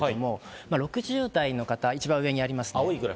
６０代の方が一番上にありますね。